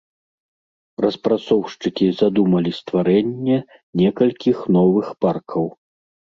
Распрацоўшчыкі задумалі стварэнне некалькіх новых паркаў.